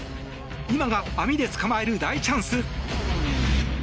今が網で捕まえる大チャンス。